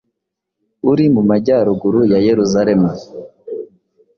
uri mu majyaruguru ya Yeruzalemu.